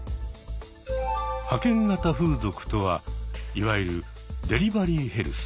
派遣型風俗とはいわゆるデリバリーヘルス。